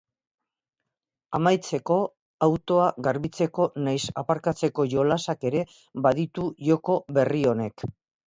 Amaitzeko, autoa garbitzeko nahiz aparkatzeko jolasak ere baditu joko berri honek.